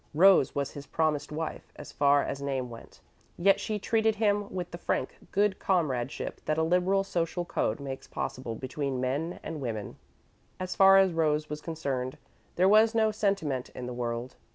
Rose was his promised wife, as far as name went, yet she treated him with the frank good comradeship that a liberal social code makes possible between men and women. As far as Rose was concerned, there was no sentiment in the world.